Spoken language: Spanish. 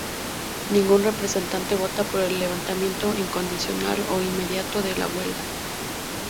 Ningún representante vota por el levantamiento incondicional o inmediato de la huelga.